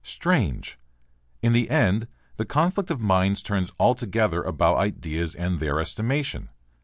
Strange! In the end the conflict of minds turns altogether about ideas and their estimation.